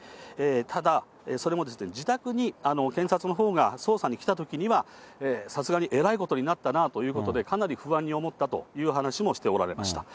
ただ、それもですね、自宅に検察のほうが捜査に来たときには、さすがにえらいことになったなと、かなり不安に思ったという話もしておられました。